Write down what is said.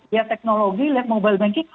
ya teknologi lihat mobile banking